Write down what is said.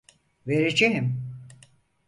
Vereceğim.